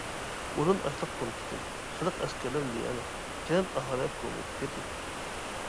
ئورۇن ئاشلىق پونكىتى، خەلق ئەسكەرلەر ليەنى، كەنت ئاھالە كومىتېتى.